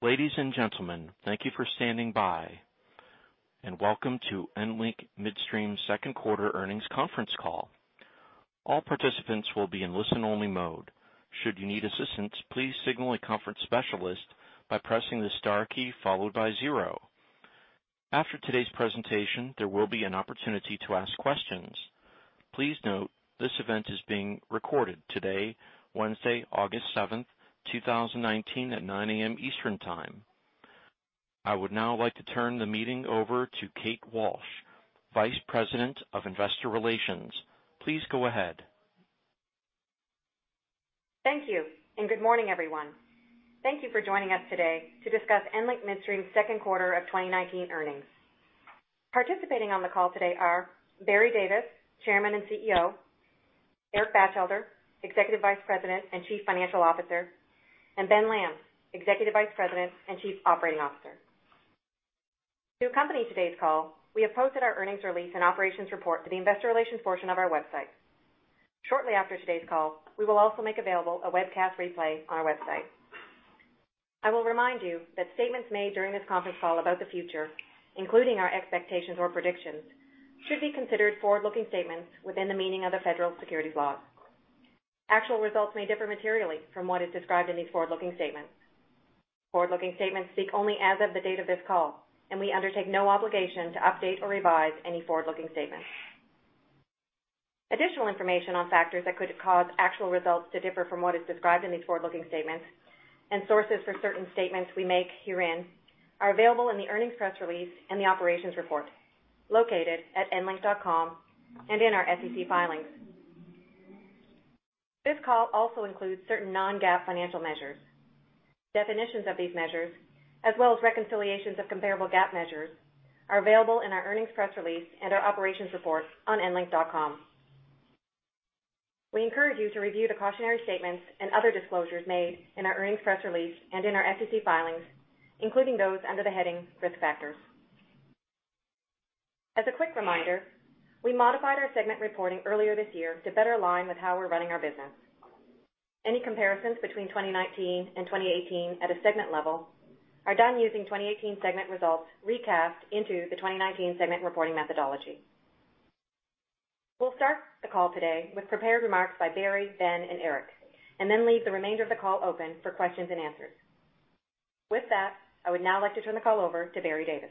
Ladies and gentlemen, thank you for standing by, and welcome to EnLink Midstream second quarter earnings conference call. All participants will be in listen only mode. Should you need assistance, please signal a conference specialist by pressing the star key followed by zero. After today's presentation, there will be an opportunity to ask questions. Please note this event is being recorded today, Wednesday, August 7, 2019, at 9:00 A.M. Eastern Time. I would now like to turn the meeting over to Kate Walsh, Vice President of Investor Relations. Please go ahead. Thank you, and good morning, everyone. Thank you for joining us today to discuss EnLink Midstream second quarter of 2019 earnings. Participating on the call today are Barry Davis, Chairman and CEO, Eric Batchelder, Executive Vice President and Chief Financial Officer, and Ben Lamb, Executive Vice President and Chief Operating Officer. To accompany today's call, we have posted our earnings release and operations report to the investor relations portion of our website. Shortly after today's call, we will also make available a webcast replay on our website. I will remind you that statements made during this conference call about the future, including our expectations or predictions, should be considered forward-looking statements within the meaning of the federal securities laws. Actual results may differ materially from what is described in these forward-looking statements. Forward-looking statements speak only as of the date of this call, and we undertake no obligation to update or revise any forward-looking statements. Additional information on factors that could cause actual results to differ from what is described in these forward-looking statements and sources for certain statements we make herein are available in the earnings press release and the operations report located at enlink.com and in our SEC filings. This call also includes certain non-GAAP financial measures. Definitions of these measures, as well as reconciliations of comparable GAAP measures, are available in our earnings press release and our operations report on enlink.com. We encourage you to review the cautionary statements and other disclosures made in our earnings press release and in our SEC filings, including those under the heading Risk Factors. As a quick reminder, we modified our segment reporting earlier this year to better align with how we're running our business. Any comparisons between 2019 and 2018 at a segment level are done using 2018 segment results recast into the 2019 segment reporting methodology. We'll start the call today with prepared remarks by Barry, Ben, and Eric, and then leave the remainder of the call open for questions and answers. With that, I would now like to turn the call over to Barry Davis.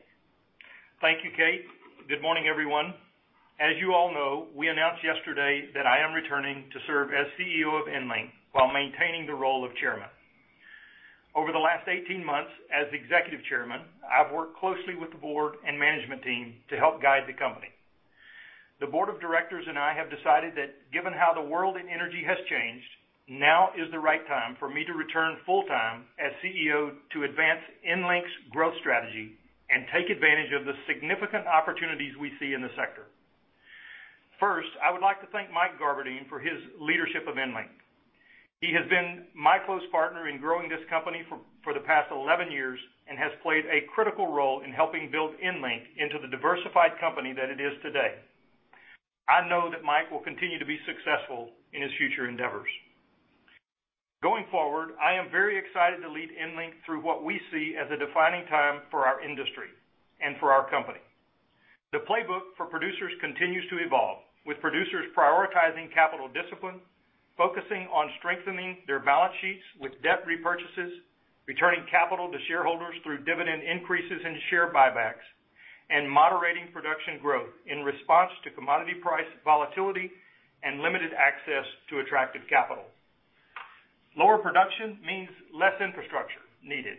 Thank you, Kate. Good morning, everyone. As you all know, we announced yesterday that I am returning to serve as CEO of EnLink while maintaining the role of Chairman. Over the last 18 months as Executive Chairman, I've worked closely with the board and management team to help guide the company. The board of directors and I have decided that given how the world in energy has changed, now is the right time for me to return full time as CEO to advance EnLink's growth strategy and take advantage of the significant opportunities we see in the sector. I would like to thank Mike Garberding for his leadership of EnLink. He has been my close partner in growing this company for the past 11 years and has played a critical role in helping build EnLink into the diversified company that it is today. I know that Mike will continue to be successful in his future endeavors. Going forward, I am very excited to lead EnLink through what we see as a defining time for our industry and for our company. The playbook for producers continues to evolve, with producers prioritizing capital discipline, focusing on strengthening their balance sheets with debt repurchases, returning capital to shareholders through dividend increases and share buybacks, and moderating production growth in response to commodity price volatility and limited access to attractive capital. Lower production means less infrastructure needed,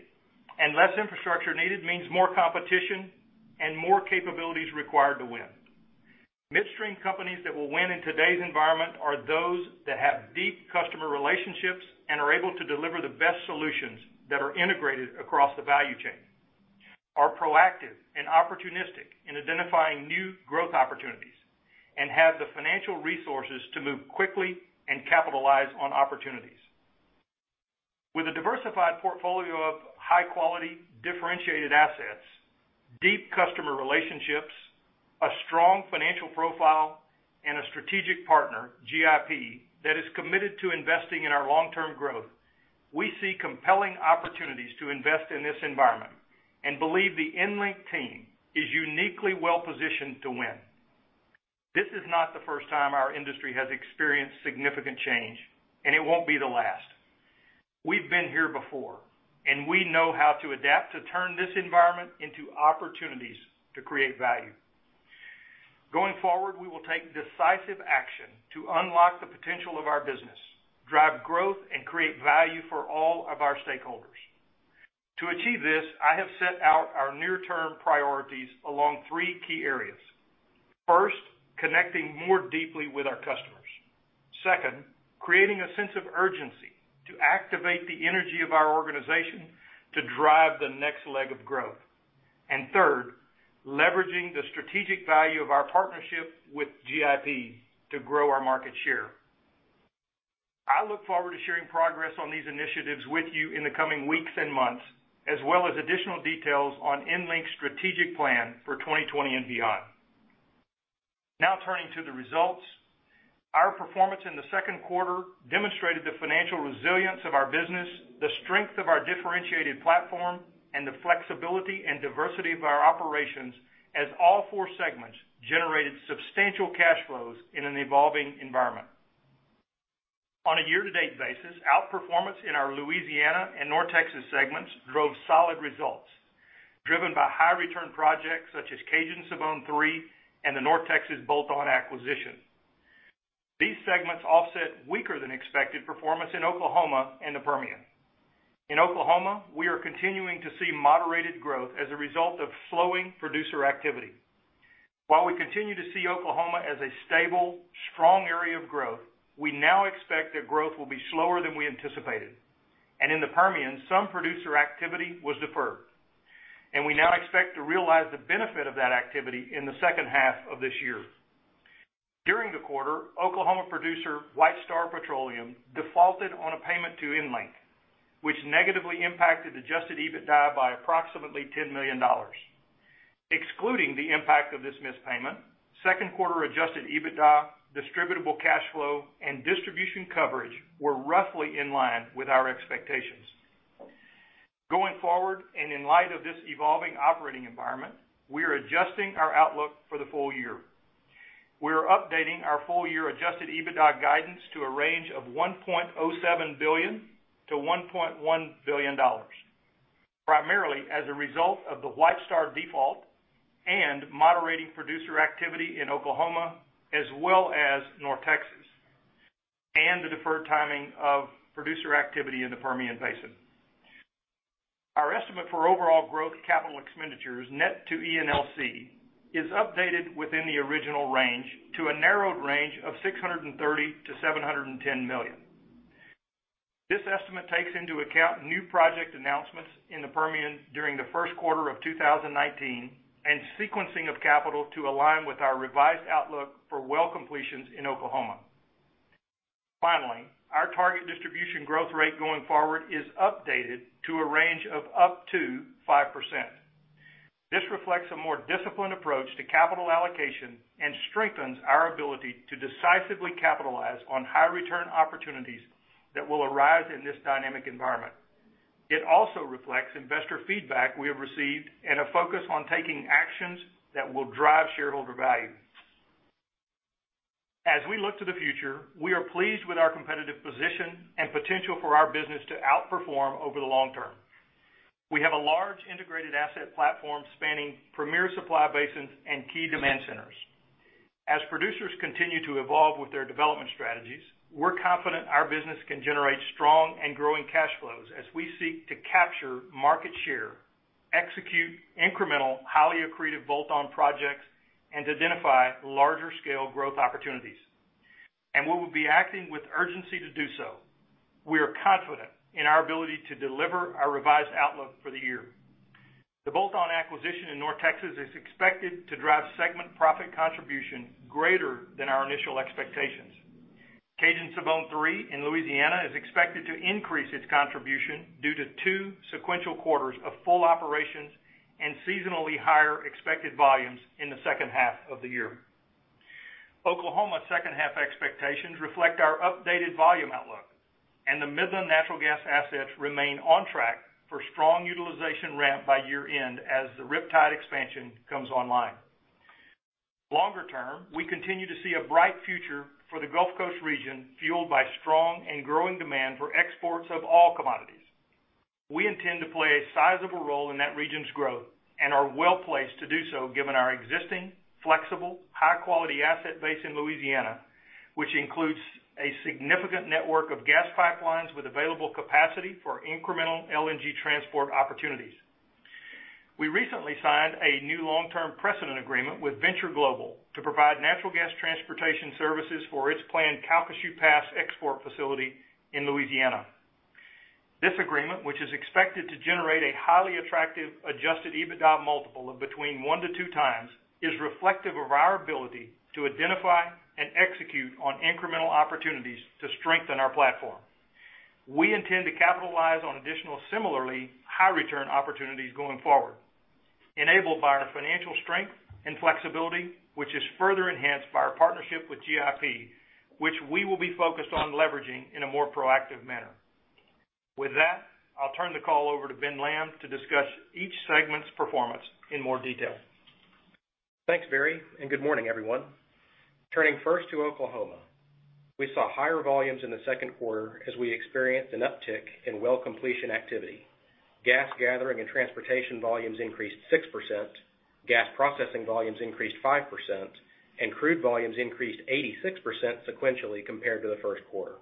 and less infrastructure needed means more competition and more capabilities required to win. Midstream companies that will win in today's environment are those that have deep customer relationships and are able to deliver the best solutions that are integrated across the value chain, are proactive and opportunistic in identifying new growth opportunities, and have the financial resources to move quickly and capitalize on opportunities. With a diversified portfolio of high-quality, differentiated assets, deep customer relationships, a strong financial profile, and a strategic partner, GIP, that is committed to investing in our long-term growth, we see compelling opportunities to invest in this environment and believe the EnLink team is uniquely well-positioned to win. This is not the first time our industry has experienced significant change, and it won't be the last. We've been here before, and we know how to adapt to turn this environment into opportunities to create value. Going forward, we will take decisive action to unlock the potential of our business, drive growth, and create value for all of our stakeholders. To achieve this, I have set out our near-term priorities along three key areas. First, connecting more deeply with our customers. Second, creating a sense of urgency to activate the energy of our organization to drive the next leg of growth. Third, leveraging the strategic value of our partnership with GIP to grow our market share. I look forward to sharing progress on these initiatives with you in the coming weeks and months, as well as additional details on EnLink's strategic plan for 2020 and beyond. Now turning to the results. Our performance in the second quarter demonstrated the financial resilience of our business, the strength of our differentiated platform, and the flexibility and diversity of our operations as all four segments generated substantial cash flows in an evolving environment. On a year-to-date basis, outperformance in our Louisiana and North Texas segments drove solid results, driven by high return projects such as Cajun-Sibon III and the North Texas bolt-on acquisition. These segments offset weaker than expected performance in Oklahoma and the Permian. In Oklahoma, we are continuing to see moderated growth as a result of slowing producer activity. While we continue to see Oklahoma as a stable, strong area of growth, we now expect that growth will be slower than we anticipated. In the Permian, some producer activity was deferred. We now expect to realize the benefit of that activity in the second half of this year. During the quarter, Oklahoma producer White Star Petroleum defaulted on a payment to EnLink, which negatively impacted adjusted EBITDA by approximately $10 million. Excluding the impact of this missed payment, second quarter adjusted EBITDA, distributable cash flow, and distribution coverage were roughly in line with our expectations. Going forward, and in light of this evolving operating environment, we are adjusting our outlook for the full year. We are updating our full-year adjusted EBITDA guidance to a range of $1.07 billion-$1.1 billion, primarily as a result of the White Star default and moderating producer activity in Oklahoma as well as North Texas, and the deferred timing of producer activity in the Permian Basin. Our estimate for overall growth capital expenditures net to ENLC is updated within the original range to a narrowed range of $630 million-$710 million. This estimate takes into account new project announcements in the Permian during the first quarter of 2019 and sequencing of capital to align with our revised outlook for well completions in Oklahoma. Finally, our target distribution growth rate going forward is updated to a range of up to 5%. This reflects a more disciplined approach to capital allocation and strengthens our ability to decisively capitalize on high-return opportunities that will arise in this dynamic environment. It also reflects investor feedback we have received and a focus on taking actions that will drive shareholder value. As we look to the future, we are pleased with our competitive position and potential for our business to outperform over the long term. We have a large integrated asset platform spanning premier supply basins and key demand centers. As producers continue to evolve with their development strategies, we're confident our business can generate strong and growing cash flows as we seek to capture market share, execute incremental, highly accretive bolt-on projects, and identify larger-scale growth opportunities. We will be acting with urgency to do so. We are confident in our ability to deliver our revised outlook for the year. The bolt-on acquisition in North Texas is expected to drive segment profit contribution greater than our initial expectations. Cajun-Sibon III in Louisiana is expected to increase its contribution due to two sequential quarters of full operations and seasonally higher expected volumes in the second half of the year. Oklahoma second half expectations reflect our updated volume outlook, and the Midland natural gas assets remain on track for strong utilization ramp by year-end as the Riptide expansion comes online. Longer term, we continue to see a bright future for the Gulf Coast region, fueled by strong and growing demand for exports of all commodities. We intend to play a sizable role in that region's growth and are well-placed to do so given our existing, flexible, high-quality asset base in Louisiana, which includes a significant network of gas pipelines with available capacity for incremental LNG transport opportunities. We recently signed a new long-term precedent agreement with Venture Global to provide natural gas transportation services for its planned Calcasieu Pass export facility in Louisiana. This agreement, which is expected to generate a highly attractive adjusted EBITDA multiple of between 1x-2x, is reflective of our ability to identify and execute on incremental opportunities to strengthen our platform. We intend to capitalize on additional similarly high-return opportunities going forward, enabled by our financial strength and flexibility, which is further enhanced by our partnership with GIP, which we will be focused on leveraging in a more proactive manner. With that, I'll turn the call over to Ben Lamb to discuss each segment's performance in more detail. Thanks, Barry. Good morning, everyone. Turning first to Oklahoma. We saw higher volumes in the second quarter as we experienced an uptick in well completion activity. Gas gathering and transportation volumes increased 6%, gas processing volumes increased 5%, and crude volumes increased 86% sequentially compared to the first quarter.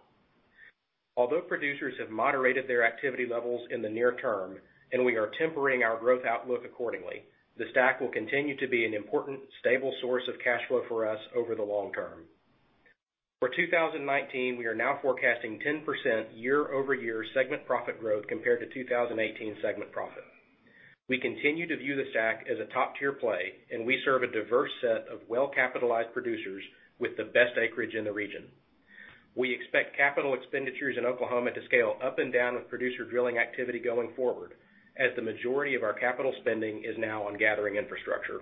Although producers have moderated their activity levels in the near term, and we are tempering our growth outlook accordingly, the STACK will continue to be an important, stable source of cash flow for us over the long term. For 2019, we are now forecasting 10% year-over-year segment profit growth compared to 2018 segment profit. We continue to view the stack as a top-tier play. We serve a diverse set of well-capitalized producers with the best acreage in the region. We expect capital expenditures in Oklahoma to scale up and down with producer drilling activity going forward, as the majority of our capital spending is now on gathering infrastructure.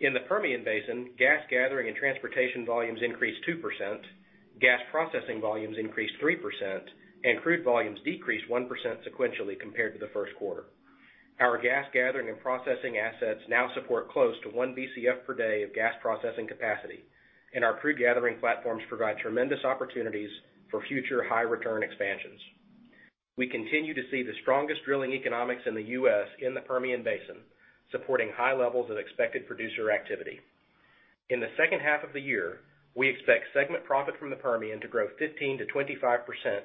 In the Permian Basin, gas gathering and transportation volumes increased 2%, gas processing volumes increased 3%, and crude volumes decreased 1% sequentially compared to the first quarter. Our gas gathering and processing assets now support close to 1 BCF per day of gas processing capacity. Our crude gathering platforms provide tremendous opportunities for future high return expansions. We continue to see the strongest drilling economics in the U.S. in the Permian Basin, supporting high levels of expected producer activity. In the second half of the year, we expect segment profit from the Permian to grow 15%-25%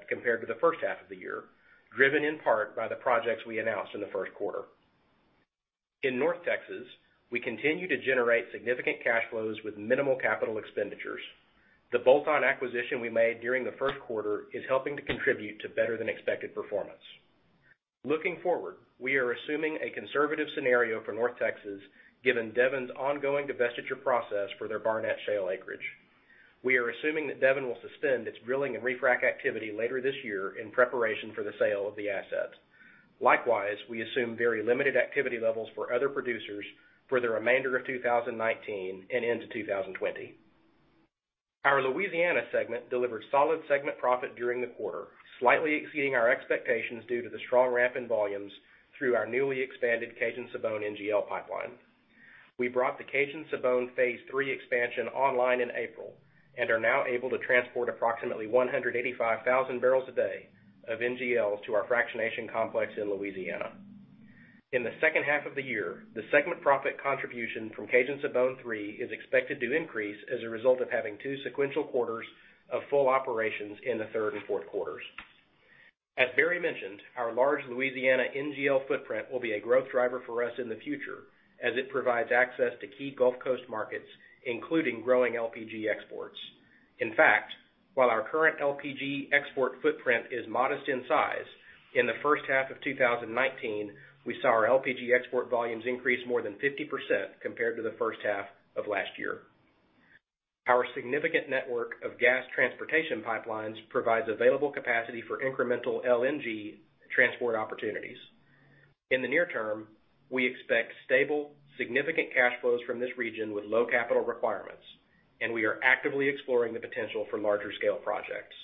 compared to the first half of the year, driven in part by the projects we announced in the first quarter. In North Texas, we continue to generate significant cash flows with minimal capital expenditures. The bolt-on acquisition we made during the first quarter is helping to contribute to better than expected performance. Looking forward, we are assuming a conservative scenario for North Texas, given Devon's ongoing divestiture process for their Barnett Shale acreage. We are assuming that Devon will suspend its drilling and refrac activity later this year in preparation for the sale of the assets. Likewise, we assume very limited activity levels for other producers for the remainder of 2019 and into 2020. Our Louisiana segment delivered solid segment profit during the quarter, slightly exceeding our expectations due to the strong ramp in volumes through our newly expanded Cajun-Sibon NGL pipeline. We brought the Cajun-Sibon Phase Three expansion online in April, and are now able to transport approximately 185,000 barrels a day of NGLs to our fractionation complex in Louisiana. In the second half of the year, the segment profit contribution from Cajun-Sibon Three is expected to increase as a result of having two sequential quarters of full operations in the third and fourth quarters. As Barry mentioned, our large Louisiana NGL footprint will be a growth driver for us in the future, as it provides access to key Gulf Coast markets, including growing LPG exports. In fact, while our current LPG export footprint is modest in size, in the first half of 2019, we saw our LPG export volumes increase more than 50% compared to the first half of last year. Our significant network of gas transportation pipelines provides available capacity for incremental LNG transport opportunities. In the near term, we expect stable, significant cash flows from this region with low capital requirements, and we are actively exploring the potential for larger scale projects.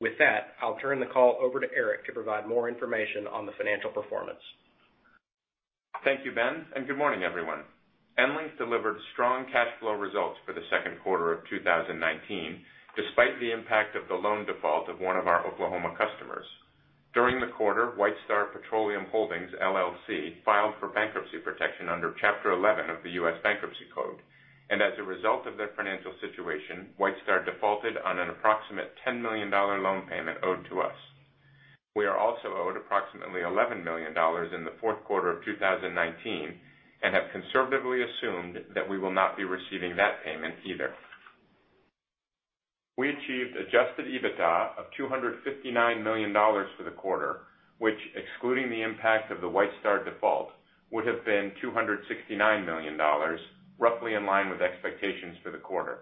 With that, I'll turn the call over to Eric to provide more information on the financial performance. Thank you, Ben, and good morning, everyone. EnLink delivered strong cash flow results for the second quarter of 2019, despite the impact of the loan default of one of our Oklahoma customers. During the quarter, WhiteStar Petroleum Holdings, LLC filed for bankruptcy protection under Chapter 11 of the U.S. Bankruptcy Code, and as a result of their financial situation, WhiteStar defaulted on an approximate $10 million loan payment owed to us. We are also owed approximately $11 million in the fourth quarter of 2019 and have conservatively assumed that we will not be receiving that payment either. We achieved adjusted EBITDA of $259 million for the quarter, which excluding the impact of the WhiteStar default, would have been $269 million, roughly in line with expectations for the quarter.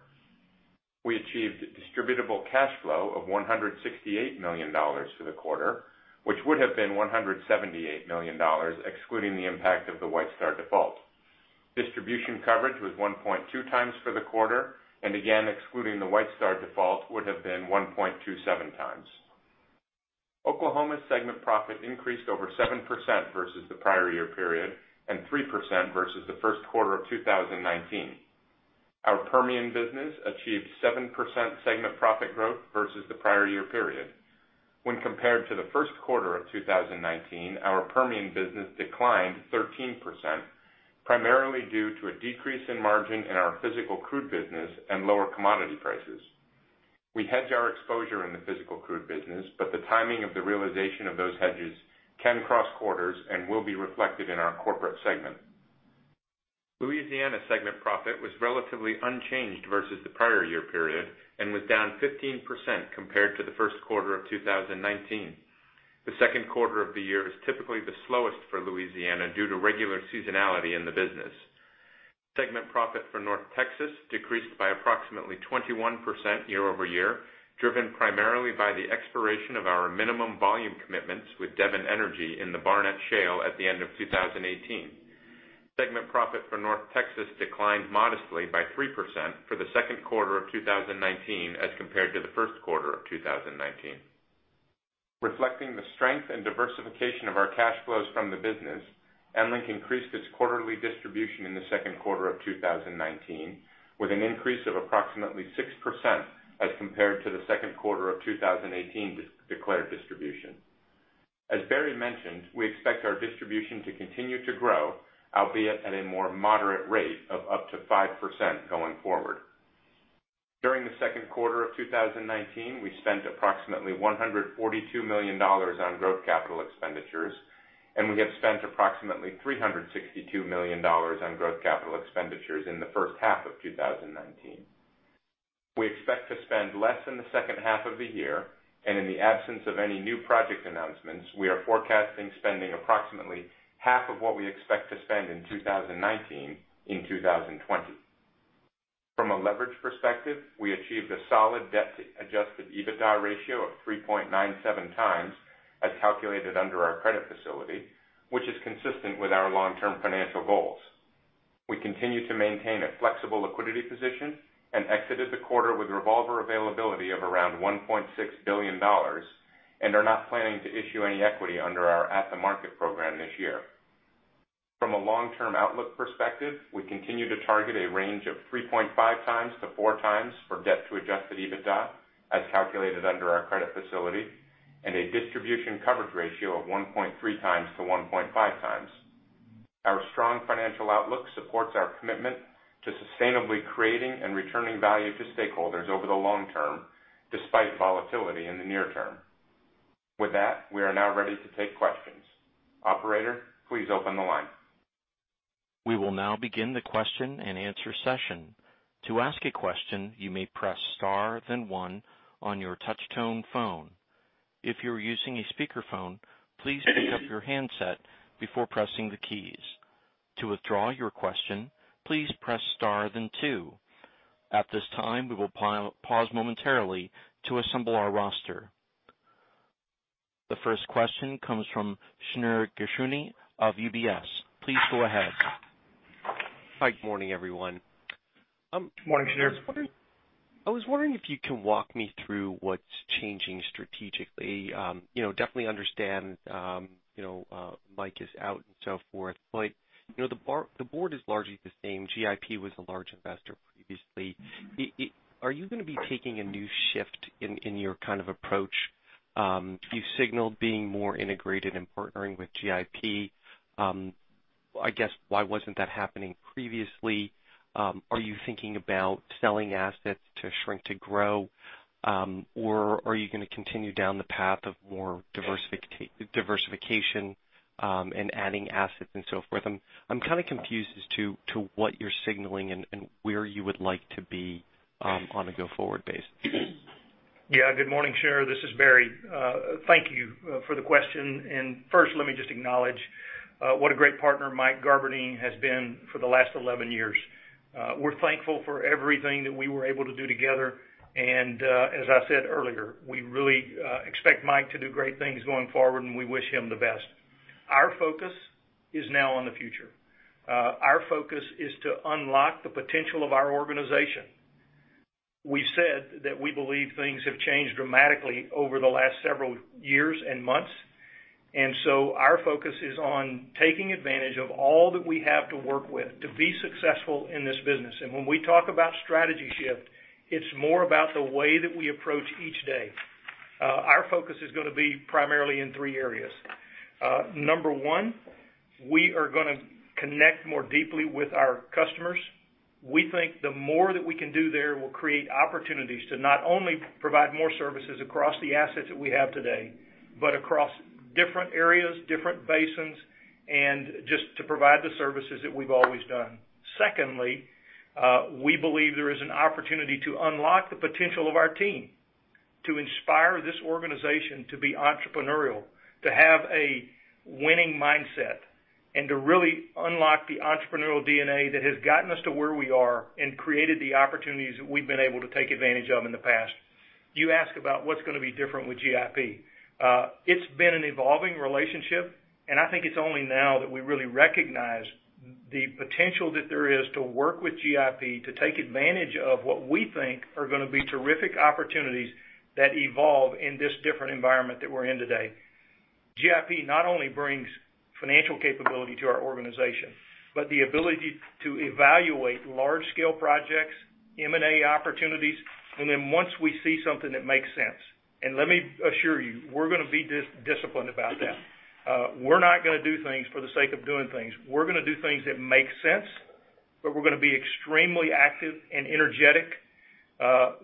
We achieved distributable cash flow of $168 million for the quarter, which would have been $178 million excluding the impact of the White Star default. Distribution coverage was 1.2 times for the quarter, and again, excluding the White Star default, would have been 1.27 times. Oklahoma segment profit increased over 7% versus the prior year period and 3% versus the first quarter of 2019. Our Permian business achieved 7% segment profit growth versus the prior year period. When compared to the first quarter of 2019, our Permian business declined 13%, primarily due to a decrease in margin in our physical crude business and lower commodity prices. We hedge our exposure in the physical crude business, the timing of the realization of those hedges can cross quarters and will be reflected in our corporate segment. Louisiana segment profit was relatively unchanged versus the prior year period and was down 15% compared to the first quarter of 2019. The second quarter of the year is typically the slowest for Louisiana due to regular seasonality in the business. Segment profit for North Texas decreased by approximately 21% year-over-year, driven primarily by the expiration of our minimum volume commitments with Devon Energy in the Barnett Shale at the end of 2018. Segment profit for North Texas declined modestly by 3% for the second quarter of 2019 as compared to the first quarter of 2019. Reflecting the strength and diversification of our cash flows from the business, EnLink increased its quarterly distribution in the second quarter of 2019 with an increase of approximately 6% as compared to the second quarter of 2018 declared distribution. As Barry mentioned, we expect our distribution to continue to grow, albeit at a more moderate rate of up to 5% going forward. During the second quarter of 2019, we spent approximately $142 million on growth capital expenditures. We have spent approximately $362 million on growth capital expenditures in the first half of 2019. We expect to spend less in the second half of the year. In the absence of any new project announcements, we are forecasting spending approximately half of what we expect to spend in 2019 in 2020. From a leverage perspective, we achieved a solid debt-to-adjusted EBITDA ratio of 3.97 times as calculated under our credit facility, which is consistent with our long-term financial goals. We continue to maintain a flexible liquidity position and exited the quarter with revolver availability of around $1.6 billion, and are not planning to issue any equity under our at-the-market program this year. From a long-term outlook perspective, we continue to target a range of 3.5 times to 4 times for debt to adjusted EBITDA as calculated under our credit facility, and a distribution coverage ratio of 1.3 times to 1.5 times. Our strong financial outlook supports our commitment to sustainably creating and returning value to stakeholders over the long term, despite volatility in the near term. With that, we are now ready to take questions. Operator, please open the line. We will now begin the question and answer session. To ask a question, you may press star then one on your touch tone phone. If you are using a speakerphone, please pick up your handset before pressing the keys. To withdraw your question, please press star then two. At this time, we will pause momentarily to assemble our roster. The first question comes from Shneur Gershuny of UBS. Please go ahead. Hi, good morning, everyone. Good morning, Shneur. I was wondering if you can walk me through what's changing strategically. Definitely understand Mike is out and so forth, but the board is largely the same. GIP was a large investor previously. Are you going to be taking a new shift in your approach? You signaled being more integrated and partnering with GIP. I guess why wasn't that happening previously? Are you thinking about selling assets to shrink to grow? Are you going to continue down the path of more diversification and adding assets and so forth? I'm kind of confused as to what you're signaling and where you would like to be on a go-forward base. Good morning, Shneur. This is Barry. Thank you for the question. First, let me just acknowledge what a great partner Mike Garberding has been for the last 11 years. We're thankful for everything that we were able to do together. As I said earlier, we really expect Mike to do great things going forward, and we wish him the best. Our focus is now on the future. Our focus is to unlock the potential of our organization. We said that we believe things have changed dramatically over the last several years and months, our focus is on taking advantage of all that we have to work with to be successful in this business. When we talk about strategy shift, it's more about the way that we approach each day. Our focus is going to be primarily in three areas. Number one, we are going to connect more deeply with our customers. We think the more that we can do there will create opportunities to not only provide more services across the assets that we have today, but across different areas, different basins, and just to provide the services that we've always done. Secondly, we believe there is an opportunity to unlock the potential of our team to inspire this organization to be entrepreneurial, to have a winning mindset, and to really unlock the entrepreneurial DNA that has gotten us to where we are and created the opportunities that we've been able to take advantage of in the past. You ask about what's going to be different with GIP. It's been an evolving relationship. I think it's only now that we really recognize the potential that there is to work with GIP to take advantage of what we think are going to be terrific opportunities that evolve in this different environment that we're in today. GIP not only brings financial capability to our organization, but the ability to evaluate large-scale projects, M&A opportunities. Once we see something that makes sense. Let me assure you, we're going to be disciplined about that. We're not going to do things for the sake of doing things. We're going to do things that make sense. We're going to be extremely active and energetic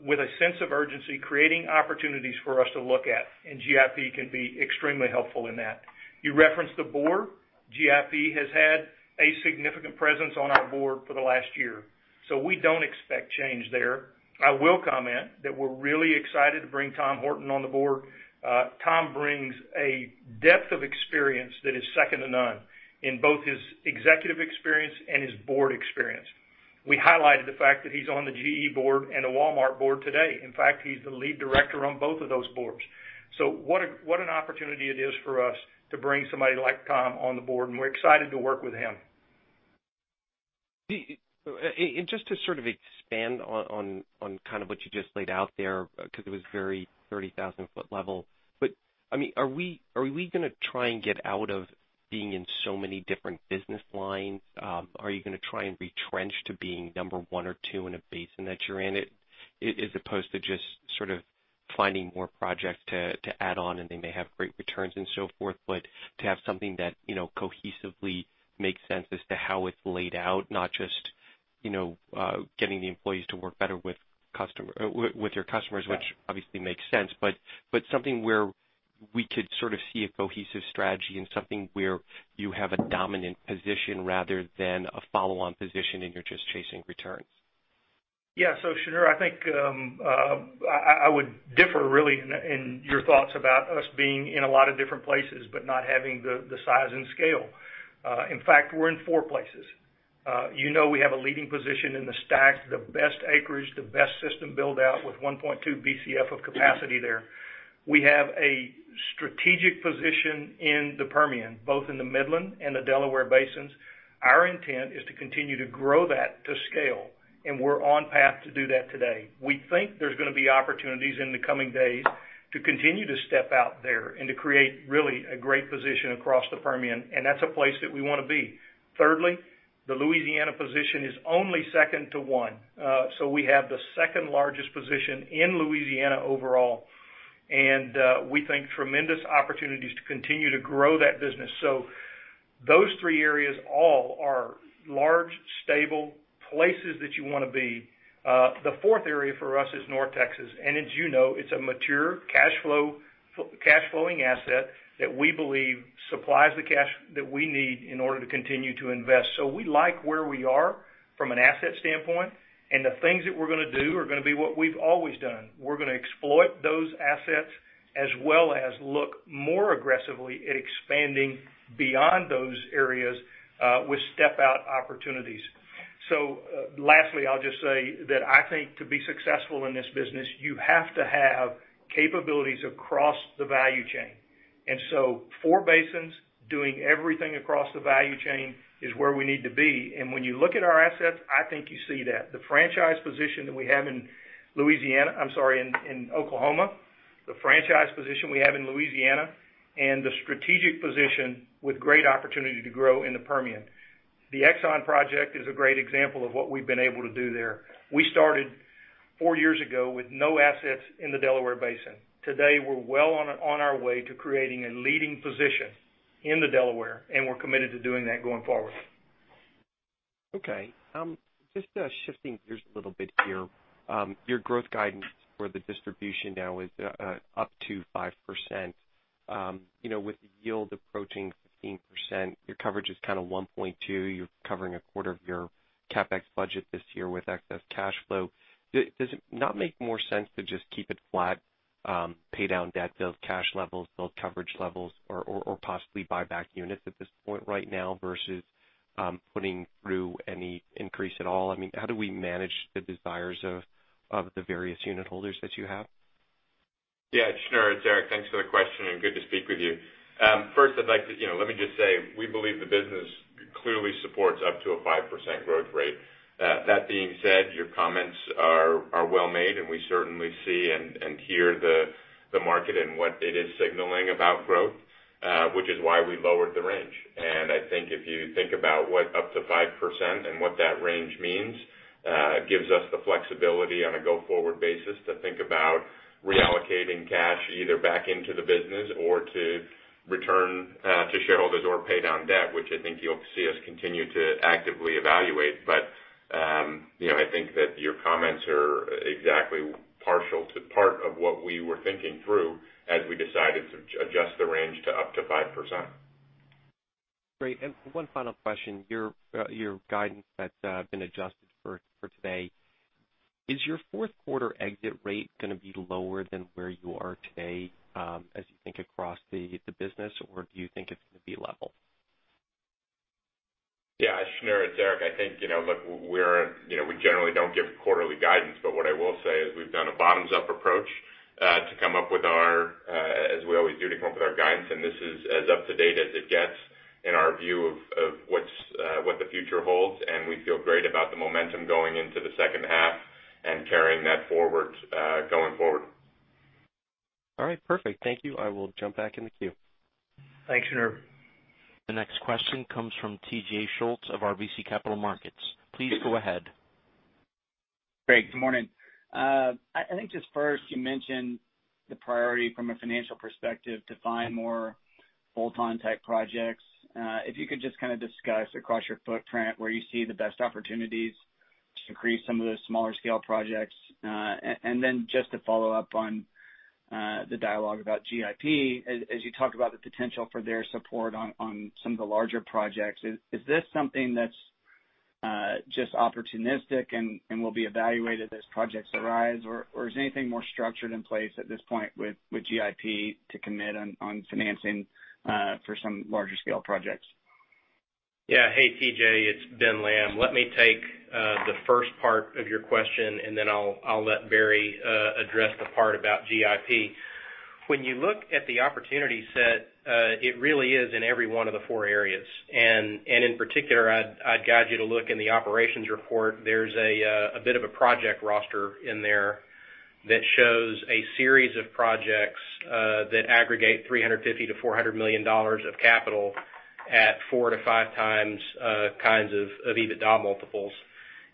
with a sense of urgency, creating opportunities for us to look at. GIP can be extremely helpful in that. You referenced the board. GIP has had a significant presence on our board for the last year, so we don't expect change there. I will comment that we're really excited to bring Tom Horton on the board. Tom brings a depth of experience that is second to none in both his executive experience and his board experience. We highlighted the fact that he's on the GE board and the Walmart board today. In fact, he's the lead director on both of those boards. What an opportunity it is for us to bring somebody like Tom on the board, and we're excited to work with him. Just to sort of expand on what you just laid out there, because it was very 30,000-foot level. Are we going to try and get out of being in so many different business lines? Are you going to try and retrench to being number 1 or 2 in a basin that you're in, as opposed to just finding more projects to add on, and they may have great returns and so forth, but to have something that cohesively makes sense as to how it's laid out, not just getting the employees to work better with your customers, which obviously makes sense, but something where we could sort of see a cohesive strategy and something where you have a dominant position rather than a follow-on position and you're just chasing returns? Yeah. Shneur, I think I would differ really in your thoughts about us being in a lot of different places but not having the size and scale. In fact, we're in four places. You know we have a leading position in the STACK, the best acreage, the best system build-out with 1.2 BCF of capacity there. We have a strategic position in the Permian, both in the Midland and the Delaware Basins. Our intent is to continue to grow that to scale, and we're on path to do that today. We think there's going to be opportunities in the coming days to continue to step out there and to create really a great position across the Permian, and that's a place that we want to be. Thirdly, the Louisiana position is only second to one. We have the second largest position in Louisiana overall, and we think tremendous opportunities to continue to grow that business. Those three areas all are large, stable places that you want to be. The fourth area for us is North Texas, and as you know, it's a mature cash flowing asset that we believe supplies the cash that we need in order to continue to invest. We like where we are from an asset standpoint, and the things that we're going to do are going to be what we've always done. We're going to exploit those assets as well as look more aggressively at expanding beyond those areas with step out opportunities. Lastly, I'll just say that I think to be successful in this business, you have to have capabilities across the value chain. Four basins doing everything across the value chain is where we need to be. When you look at our assets, I think you see that. The franchise position that we have in Louisiana, I'm sorry, in Oklahoma, the franchise position we have in Louisiana, and the strategic position with great opportunity to grow in the Permian. The Exxon project is a great example of what we've been able to do there. We started four years ago with no assets in the Delaware Basin. Today, we're well on our way to creating a leading position in the Delaware, and we're committed to doing that going forward. Okay. Just shifting gears a little bit here. Your growth guidance for the distribution now is up to 5%. With the yield approaching 15%, your coverage is kind of 1.2. You're covering a quarter of your CapEx budget this year with excess cash flow. Does it not make more sense to just keep it flat, pay down debt, build cash levels, build coverage levels, or possibly buy back units at this point right now versus putting through any increase at all? How do we manage the desires of the various unit holders that you have? Shneur, it's Eric. Thanks for the question and good to speak with you. First, let me just say, we believe the business clearly supports up to a 5% growth rate. That being said, your comments are well made, and we certainly see and hear the market and what it is signaling about growth, which is why we lowered the range. I think if you think about what up to 5% and what that range means, it gives us the flexibility on a go-forward basis to think about reallocating cash either back into the business or to return to shareholders or pay down debt, which I think you'll see us continue to actively evaluate. I think that your comments are exactly partial to part of what we were thinking through as we decided to adjust the range to up to 5%. Great. One final question. Your guidance that's been adjusted for today, is your fourth quarter exit rate going to be lower than where you are today as you think across the business, or do you think it's going to be level? Yeah. Shneur, it's Eric. I think, look, we generally don't give quarterly guidance. What I will say is we've done a bottoms-up approach to come up with our, as we always do, to come up with our guidance. This is as up to date as it gets in our view of what the future holds. We feel great about the momentum going into the second half and carrying that forward going forward. All right. Perfect. Thank you. I will jump back in the queue. Thanks, Shneur. The next question comes from T.J. Schultz of RBC Capital Markets. Please go ahead. Great. Good morning. I think just first, you mentioned the priority from a financial perspective to find more bolt-on type projects. If you could just kind of discuss across your footprint where you see the best opportunities to increase some of those smaller scale projects. Then just to follow up on the dialogue about GIP, as you talk about the potential for their support on some of the larger projects, is this something that's just opportunistic and will be evaluated as projects arise, or is anything more structured in place at this point with GIP to commit on financing for some larger scale projects? Yeah. Hey, T.J., it's Ben Lamb. Let me take the first part of your question, then I'll let Barry address the part about GIP. When you look at the opportunity set, it really is in every one of the four areas. In particular, I'd guide you to look in the operations report. There's a bit of a project roster in there that shows a series of projects that aggregate $350 million-$400 million of capital at 4 to 5 times kinds of EBITDA multiples.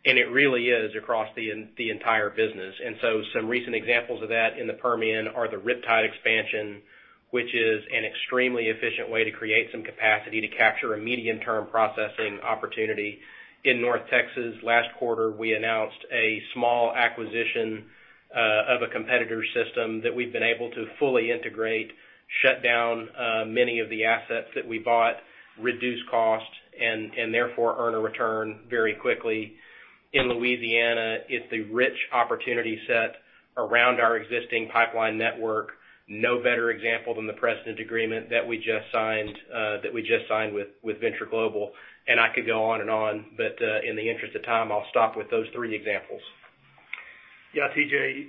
It really is across the entire business. Some recent examples of that in the Permian are the Riptide expansion, which is an extremely efficient way to create some capacity to capture a medium-term processing opportunity. In North Texas, last quarter, we announced a small acquisition of a competitor's system that we've been able to fully integrate, shut down many of the assets that we bought, reduce costs, and therefore earn a return very quickly. In Louisiana, it's a rich opportunity set around our existing pipeline network. No better example than the precedent agreement that we just signed with Venture Global. I could go on and on, but in the interest of time, I'll stop with those three examples. Yeah, T.J.,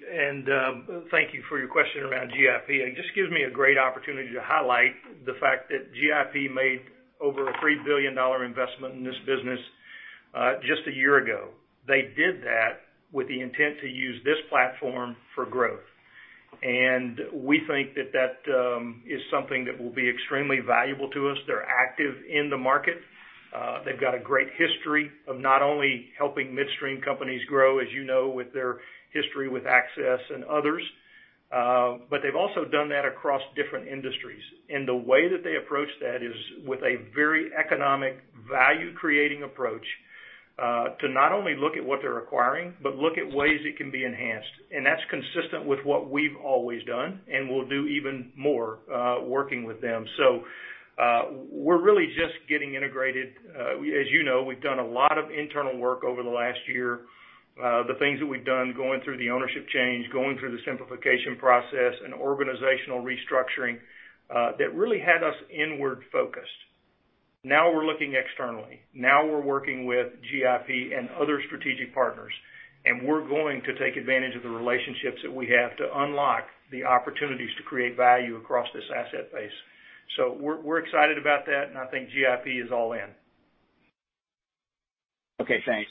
thank you for your question around GIP. It just gives me a great opportunity to highlight the fact that GIP made over a $3 billion investment in this business just a year ago. They did that with the intent to use this platform for growth. We think that is something that will be extremely valuable to us. They're active in the market. They've got a great history of not only helping midstream companies grow, as you know, with their history with Access and others, but they've also done that across different industries. The way that they approach that is with a very economic value-creating approach, to not only look at what they're acquiring, but look at ways it can be enhanced. That's consistent with what we've always done, and we'll do even more working with them. We're really just getting integrated. As you know, we've done a lot of internal work over the last year. The things that we've done going through the ownership change, going through the simplification process and organizational restructuring that really had us inward-focused. Now we're looking externally. Now we're working with GIP and other strategic partners, and we're going to take advantage of the relationships that we have to unlock the opportunities to create value across this asset base. We're excited about that, and I think GIP is all in. Okay, thanks.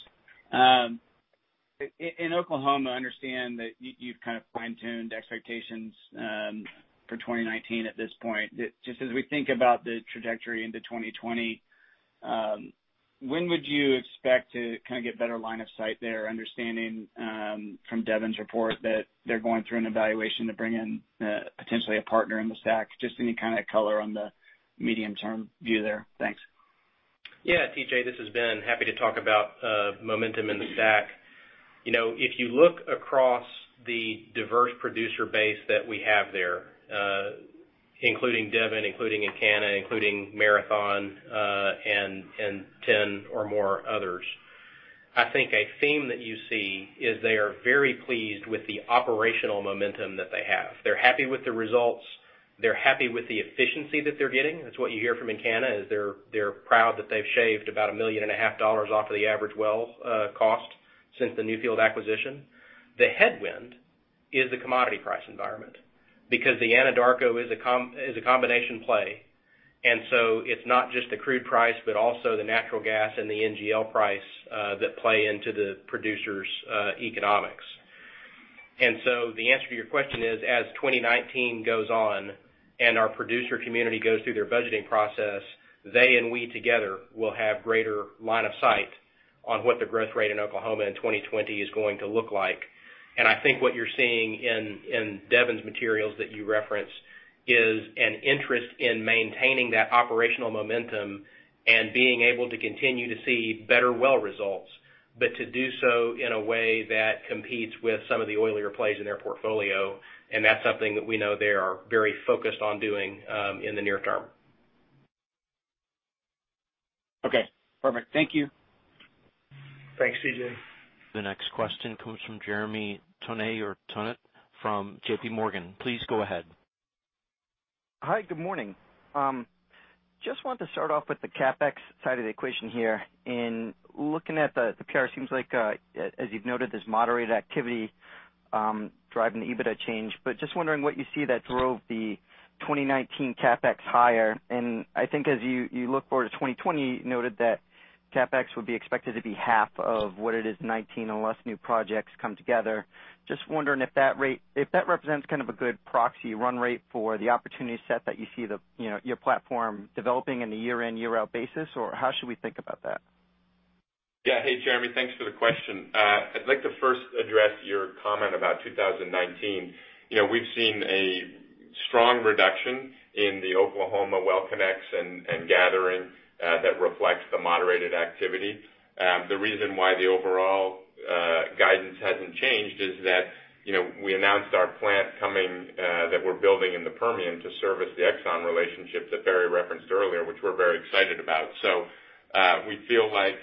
In Oklahoma, I understand that you've kind of fine-tuned expectations for 2019 at this point. As we think about the trajectory into 2020, when would you expect to kind of get better line of sight there, understanding from Devon's report that they're going through an evaluation to bring in potentially a partner in the STACK? Just any kind of color on the medium-term view there. Thanks. Yeah, T.J., this is Ben. Happy to talk about momentum in the STACK. If you look across the diverse producer base that we have there, including Devon, including Encana, including Marathon, and 10 or more others, I think a theme that you see is they are very pleased with the operational momentum that they have. They're happy with the results. They're happy with the efficiency that they're getting. That's what you hear from Encana, is they're proud that they've shaved about a million and a half dollars off of the average well cost since the Newfield acquisition. The headwind is the commodity price environment because the Anadarko is a combination play. It's not just the crude price, but also the natural gas and the NGL price that play into the producer's economics. The answer to your question is, as 2019 goes on and our producer community goes through their budgeting process, they and we together will have greater line of sight on what the growth rate in Oklahoma in 2020 is going to look like. I think what you're seeing in Devon's materials that you referenced is an interest in maintaining that operational momentum and being able to continue to see better well results, but to do so in a way that competes with some of the oilier plays in their portfolio, and that's something that we know they are very focused on doing in the near term. Okay, perfect. Thank you. Thanks, T.J. The next question comes from Jeremy Tonet from JPMorgan. Please go ahead. Hi, good morning. Just wanted to start off with the CapEx side of the equation here. In looking at the PR, seems like as you've noted, this moderated activity driving the EBITDA change. Just wondering what you see that drove the 2019 CapEx higher. I think as you look forward to 2020, you noted that CapEx would be expected to be half of what it is in 2019 unless new projects come together. Just wondering if that represents kind of a good proxy run rate for the opportunity set that you see your platform developing in a year-in, year-out basis, or how should we think about that? Yeah. Hey, Jeremy. Thanks for the question. I'd like to first address your comment about 2019. We've seen a strong reduction in the Oklahoma well connects and gathering that reflects the moderated activity. The reason why the overall guidance hasn't changed is that we announced our plant that we're building in the Permian to service the Exxon relationship that Barry referenced earlier, which we're very excited about. We feel like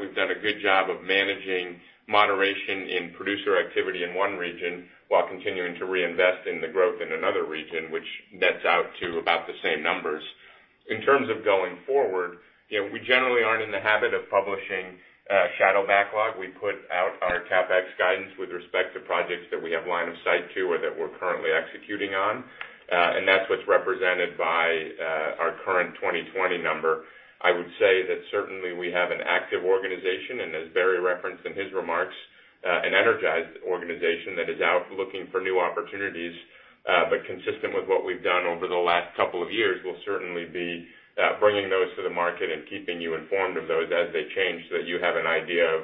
we've done a good job of managing moderation in producer activity in one region while continuing to reinvest in the growth in another region, which nets out to about the same numbers. In terms of going forward, we generally aren't in the habit of publishing shadow backlog. We put out our CapEx guidance with respect to projects that we have line of sight to or that we're currently executing on. That's what's represented by our current 2020 number. I would say that certainly we have an active organization, and as Barry referenced in his remarks, an energized organization that is out looking for new opportunities. Consistent with what we've done over the last couple of years, we'll certainly be bringing those to the market and keeping you informed of those as they change so that you have an idea of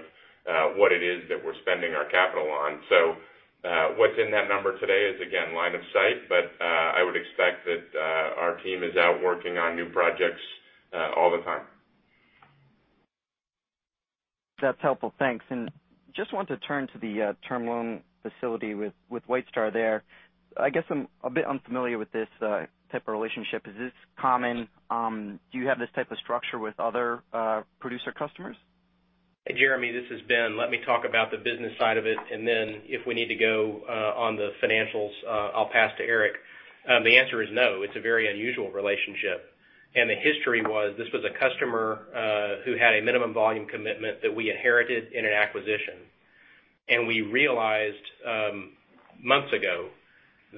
what it is that we're spending our capital on. What's in that number today is, again, line of sight, but I would expect that our team is out working on new projects all the time. That's helpful. Thanks. Just wanted to turn to the term loan facility with White Star Petroleum there. I guess I'm a bit unfamiliar with this type of relationship. Is this common? Do you have this type of structure with other producer customers? Hey, Jeremy, this is Ben. Let me talk about the business side of it, and then if we need to go on the financials, I'll pass to Eric. The answer is no. It's a very unusual relationship. The history was, this was a customer who had a minimum volume commitment that we inherited in an acquisition. We realized, months ago,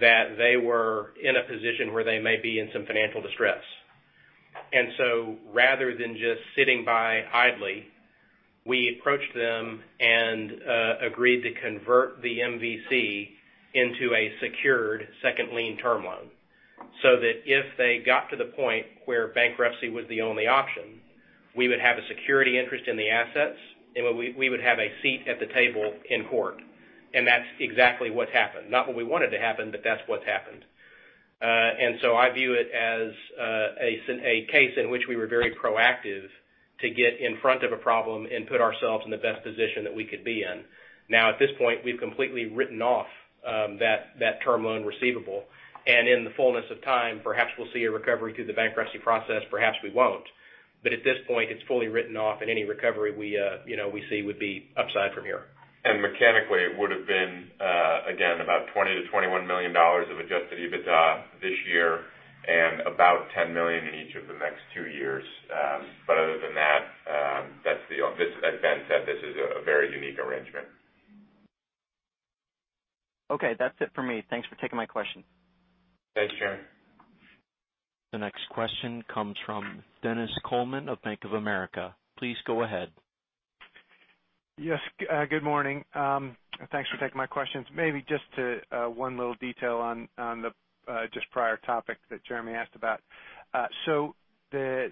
that they were in a position where they may be in some financial distress. Rather than just sitting by idly, we approached them and agreed to convert the MVC into a secured second lien term loan, so that if they got to the point where bankruptcy was the only option, we would have a security interest in the assets, and we would have a seat at the table in court. That's exactly what happened. Not what we wanted to happen, but that's what happened. I view it as a case in which we were very proactive to get in front of a problem and put ourselves in the best position that we could be in. At this point, we've completely written off that term loan receivable. In the fullness of time, perhaps we'll see a recovery through the bankruptcy process, perhaps we won't. At this point, it's fully written off and any recovery we see would be upside from here. Mechanically, it would've been, again, about $20 million-$21 million of adjusted EBITDA this year and about $10 million in each of the next two years. Other than that, as Ben said, this is a very unique arrangement. Okay. That's it for me. Thanks for taking my question. Thanks, Jeremy. The next question comes from Dennis Coleman of Bank of America. Please go ahead. Yes. Good morning. Thanks for taking my questions. Maybe just one little detail on the just prior topic that Jeremy asked about. The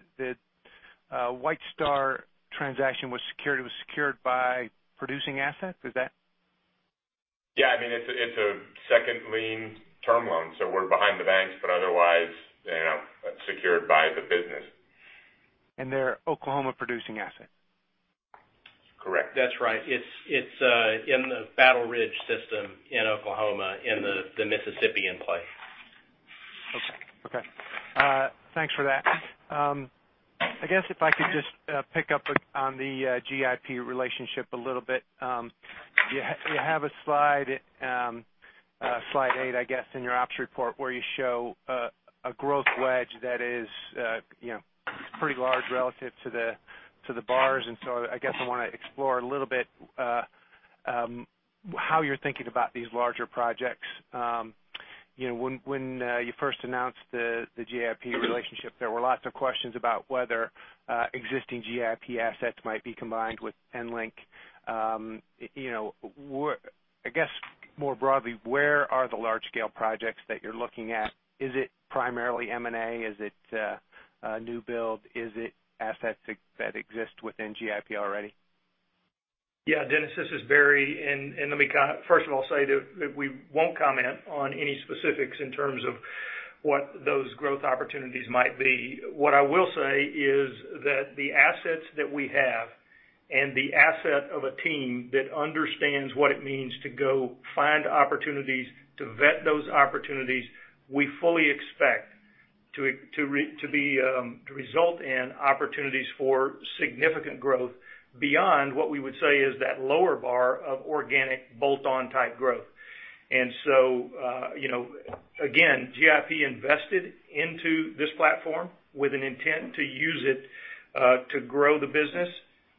White Star transaction was secured by producing asset? Is that Yeah. It's a second lien term loan. We're behind the banks, but otherwise, secured by the business. They're Oklahoma producing asset? Correct. That's right. It's in the Battle Ridge system in Oklahoma in the Mississippian play. Okay. Thanks for that. I guess if I could just pick up on the GIP relationship a little bit. You have a slide eight I guess, in your ops report where you show a growth wedge that is pretty large relative to the bars. I guess I want to explore a little bit how you're thinking about these larger projects. When you first announced the GIP relationship, there were lots of questions about whether existing GIP assets might be combined with EnLink. I guess more broadly, where are the large-scale projects that you're looking at? Is it primarily M&A? Is it new build? Is it assets that exist within GIP already? Yeah, Dennis, this is Barry. Let me first of all say that we won't comment on any specifics in terms of what those growth opportunities might be. What I will say is that the assets that we have and the asset of a team that understands what it means to go find opportunities, to vet those opportunities, we fully expect to result in opportunities for significant growth beyond what we would say is that lower bar of organic bolt-on type growth. Again, GIP invested into this platform with an intent to use it to grow the business,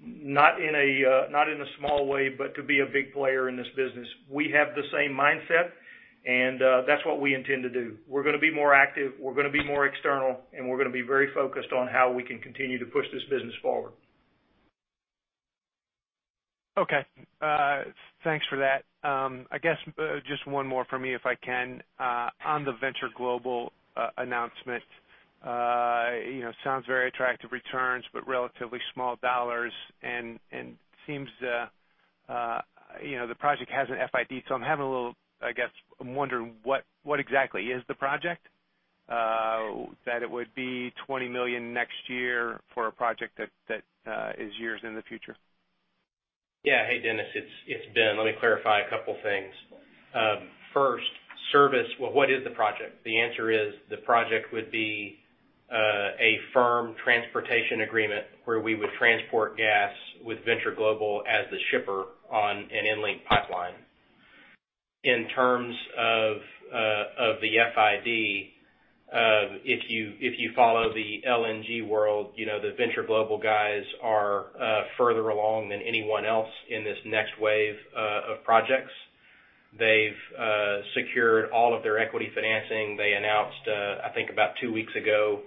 not in a small way, but to be a big player in this business. We have the same mindset, and that's what we intend to do. We're going to be more active, we're going to be more external, and we're going to be very focused on how we can continue to push this business forward. Okay. Thanks for that. I guess just one more from me, if I can. On the Venture Global announcement. Sounds very attractive returns, but relatively small dollars, and seems the project has an FID. I guess, I'm wondering what exactly is the project? That it would be $20 million next year for a project that is years in the future. Yeah. Hey, Dennis, it's Ben. Let me clarify a couple things. First, service. Well, what is the project? The answer is the project would be a firm transportation agreement where we would transport gas with Venture Global as the shipper on an EnLink pipeline. In terms of the FID, if you follow the LNG world, the Venture Global guys are further along than anyone else in this next wave of projects. They've secured all of their equity financing. They announced, I think about two weeks ago,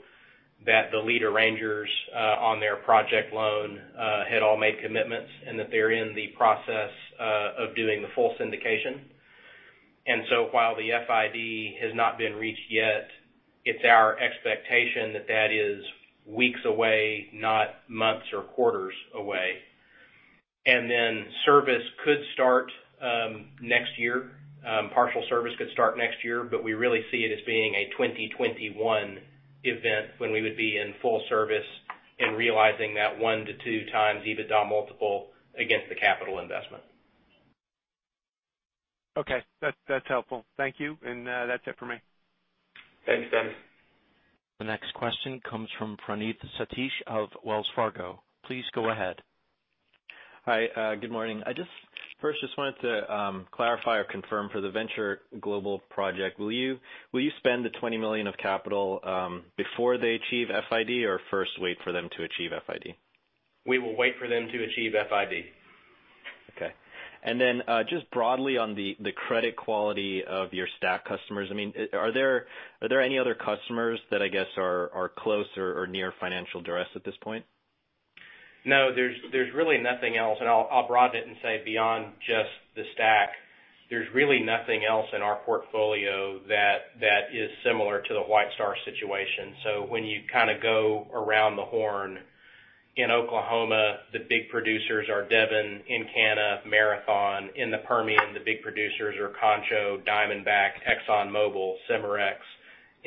that the lead arrangers on their project loan had all made commitments and that they're in the process of doing the full syndication. While the FID has not been reached yet, it's our expectation that that is weeks away, not months or quarters away. Service could start next year. Partial service could start next year, but we really see it as being a 2021 event when we would be in full service and realizing that 1-2x EBITDA multiple against the capital investment. Okay. That's helpful. Thank you. That's it for me. Thanks, Dennis. The next question comes from Praneeth Satish of Wells Fargo. Please go ahead. Hi, good morning. First, just wanted to clarify or confirm for the Venture Global project, will you spend the $20 million of capital before they achieve FID or first wait for them to achieve FID? We will wait for them to achieve FID. Okay. Just broadly on the credit quality of your stack customers. Are there any other customers that I guess are close or near financial duress at this point? No, there's really nothing else, and I'll broaden it and say beyond just the stack, there's really nothing else in our portfolio that is similar to the White Star Petroleum situation. When you kind of go around the horn in Oklahoma, the big producers are Devon Energy, Encana, Marathon Oil. In the Permian, the big producers are Concho Resources, Diamondback Energy, ExxonMobil, Cimarex Energy.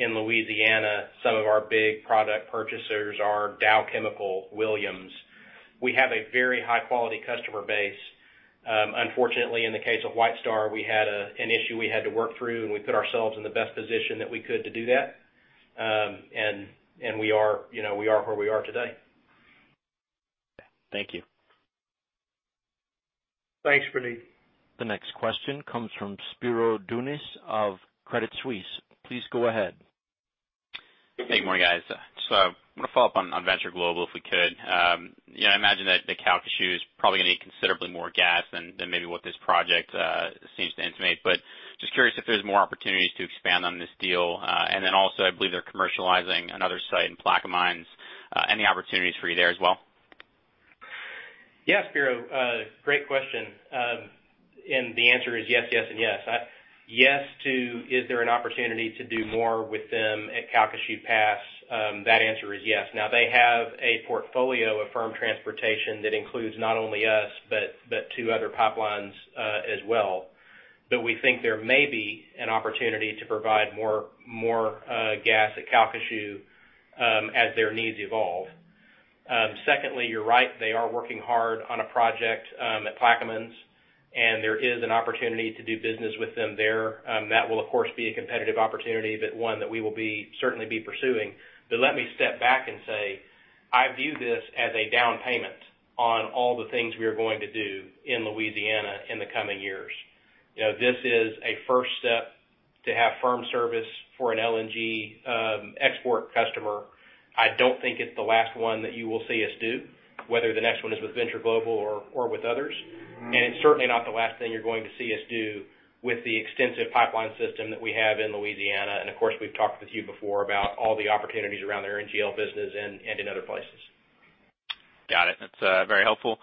In Louisiana, some of our big product purchasers are Dow Chemical, Williams Companies. We have a very high-quality customer base. Unfortunately, in the case of White Star Petroleum, we had an issue we had to work through, and we put ourselves in the best position that we could to do that. We are where we are today. Thank you. Thanks, Praneeth. The next question comes from Spiro Dounis of Credit Suisse. Please go ahead. Hey, good morning, guys. I want to follow up on Venture Global, if we could. I imagine that the Calcasieu is probably going to need considerably more gas than maybe what this project seems to intimate. Just curious if there's more opportunities to expand on this deal. I believe they're commercializing another site in Plaquemines. Any opportunities for you there as well? Yeah, Spiro. Great question. The answer is yes and yes. Yes to, "Is there an opportunity to do more with them at Calcasieu Pass?" That answer is yes. Now they have a portfolio of firm transportation that includes not only us, but two other pipelines as well. We think there may be an opportunity to provide more gas at Calcasieu as their needs evolve. Secondly, you're right, they are working hard on a project at Plaquemines, and there is an opportunity to do business with them there. That will, of course, be a competitive opportunity, but one that we will certainly be pursuing. Let me step back and say, I view this as a down payment on all the things we are going to do in Louisiana in the coming years. This is a first step to have firm service for an LNG export customer. I don't think it's the last one that you will see us do, whether the next one is with Venture Global or with others. It's certainly not the last thing you're going to see us do with the extensive pipeline system that we have in Louisiana. Of course, we've talked with you before about all the opportunities around the NGL business and in other places. Got it. That's very helpful.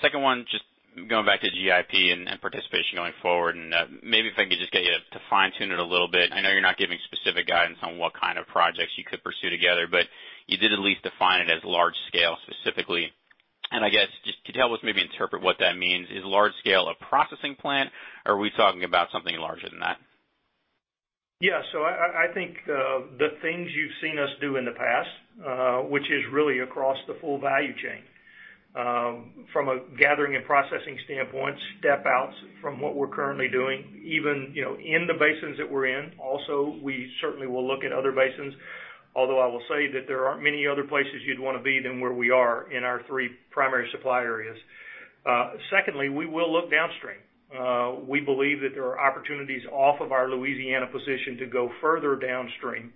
Second one, just going back to GIP and participation going forward, maybe if I could just get you to fine-tune it a little bit. I know you're not giving specific guidance on what kind of projects you could pursue together, you did at least define it as large scale specifically. I guess, just could you help us maybe interpret what that means? Is large scale a processing plant, or are we talking about something larger than that? I think the things you've seen us do in the past, which is really across the full value chain. From a gathering and processing standpoint, step outs from what we're currently doing, even in the basins that we're in. We certainly will look at other basins, although I will say that there aren't many other places you'd want to be than where we are in our three primary supply areas. Secondly, we will look downstream. We believe that there are opportunities off of our Louisiana position to go further downstream.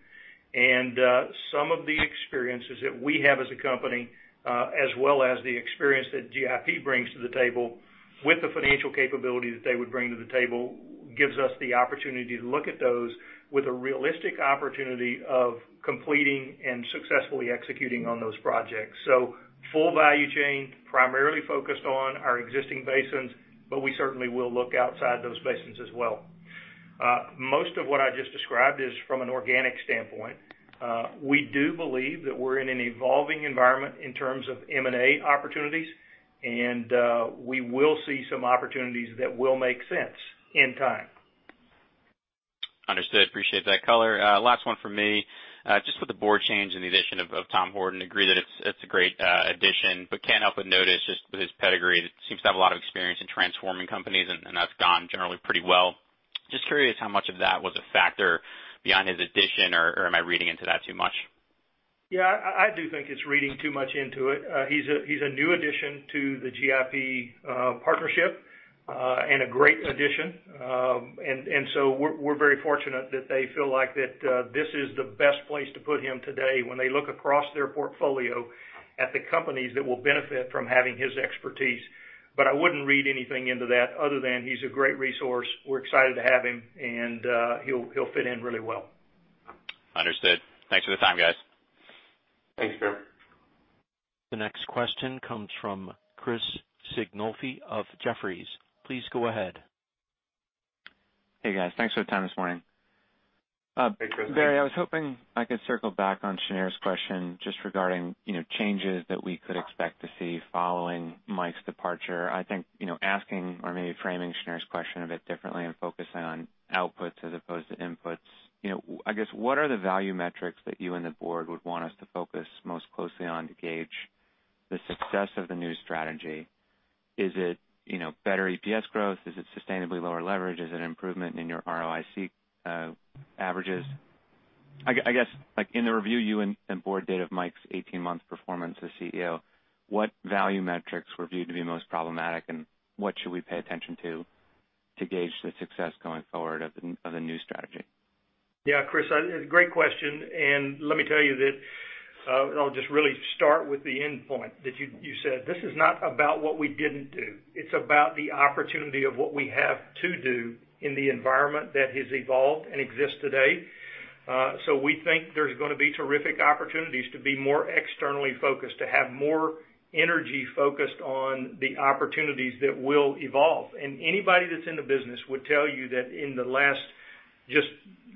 Some of the experiences that we have as a company, as well as the experience that GIP brings to the table with the financial capability that they would bring to the table, gives us the opportunity to look at those with a realistic opportunity of completing and successfully executing on those projects. Full value chain, primarily focused on our existing basins, but we certainly will look outside those basins as well. Most of what I just described is from an organic standpoint. We do believe that we're in an evolving environment in terms of M&A opportunities, and we will see some opportunities that will make sense in time. Understood. Appreciate that color. Last one from me. Just with the board change and the addition of Tom Horton, agree that it's a great addition, but can't help but notice just with his pedigree, that seems to have a lot of experience in transforming companies, and that's gone generally pretty well. Just curious how much of that was a factor beyond his addition, or am I reading into that too much? Yeah, I do think it's reading too much into it. He's a new addition to the GIP partnership, and a great addition. We're very fortunate that they feel like that this is the best place to put him today when they look across their portfolio at the companies that will benefit from having his expertise. I wouldn't read anything into that other than he's a great resource. We're excited to have him, and he'll fit in really well. Understood. Thanks for the time, guys. Thanks, Spiro. The next question comes from Chris Sighinolfi of Jefferies. Please go ahead. Hey, guys. Thanks for the time this morning. Hey, Chris. Barry, I was hoping I could circle back on Shneur's question just regarding changes that we could expect to see following Mike's departure. I think asking or maybe framing Shneur's question a bit differently and focusing on outputs as opposed to inputs. I guess, what are the value metrics that you and the board would want us to focus most closely on to gauge the success of the new strategy? Is it better EPS growth? Is it sustainably lower leverage? Is it improvement in your ROIC averages? I guess, in the review you and Board did of Mike's 18-month performance as CEO, what value metrics were viewed to be most problematic, and what should we pay attention to gauge the success going forward of the new strategy? Yeah, Chris, great question. Let me tell you that, I'll just really start with the end point that you said. This is not about what we didn't do. It's about the opportunity of what we have to do in the environment that has evolved and exists today. We think there's going to be terrific opportunities to be more externally focused, to have more energy focused on the opportunities that will evolve. Anybody that's in the business would tell you that in the last, just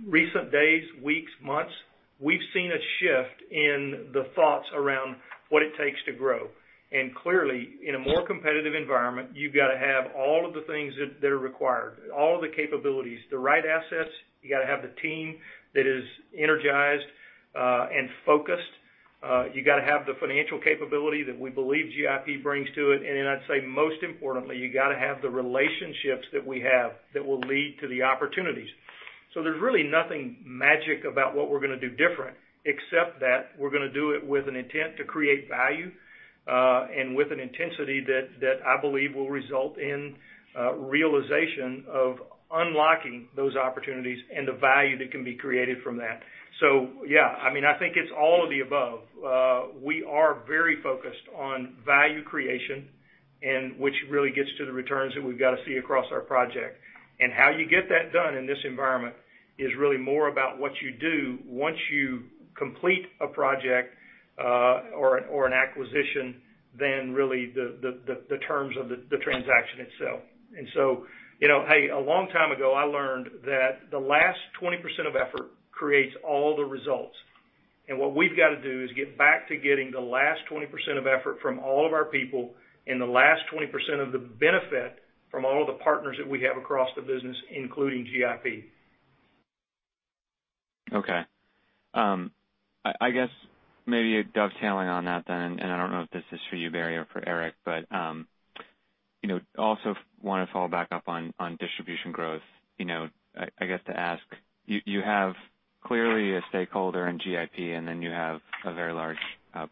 recent days, weeks, months, we've seen a shift in the thoughts around what it takes to grow. Clearly, in a more competitive environment, you've got to have all of the things that are required, all of the capabilities, the right assets. You got to have the team that is energized and focused. You got to have the financial capability that we believe GIP brings to it. I'd say most importantly, you got to have the relationships that we have that will lead to the opportunities. There's really nothing magic about what we're going to do different, except that we're going to do it with an intent to create value, and with an intensity that I believe will result in realization of unlocking those opportunities and the value that can be created from that. Yeah, I think it's all of the above. We are very focused on value creation, and which really gets to the returns that we've got to see across our project. How you get that done in this environment is really more about what you do once you complete a project, or an acquisition, than really the terms of the transaction itself. Hey, a long time ago, I learned that the last 20% of effort creates all the results. What we've got to do is get back to getting the last 20% of effort from all of our people and the last 20% of the benefit from all the partners that we have across the business, including GIP. Okay. I guess maybe dovetailing on that then, I don't know if this is for you, Barry or for Eric, but also want to follow back up on distribution growth. I guess to ask, you have clearly a stakeholder in GIP, then you have a very large